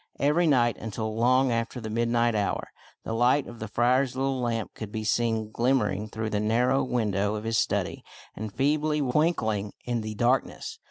Every night, until long after the midnight hour, the light of the friar's little lamp could be seen glimmering through the narrow window of his study and feebly twinkling in the darkness.